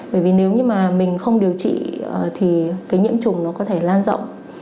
bởi vì nếu như mà mình không điều trị thì cái nhiễm trùng nó có thể lan rộng